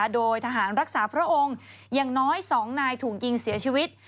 โดยทหารรักษาพระองค์อย่างน้อย๒นายถูกยิงเสียชีวิต